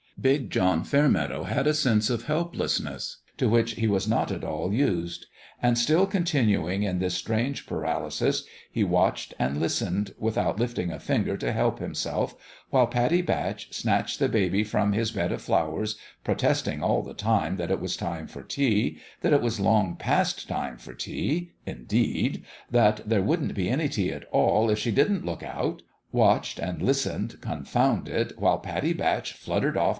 Big John Fairmeadow had a sense of helpless ness to which he was not at all used ; and still continuing in this strange paralysis, he watched and listened, without lifting a finger to help him self, while Pattie Batch snatched the baby from his bed of flowers, protesting all the time that it was time for tea, that it was long past time for tea, indeed, that there wouldn't be any tea at all, if she didn't look out watched and listened, con founded, while Pattie Batch fluttered of!